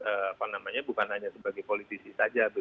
apa namanya bukan hanya sebagai politisi saja